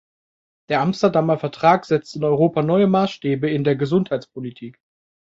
Der Amsterdamer Vertrag setzt in Europa neue Maßstäbe in der Gesundheitspolitik.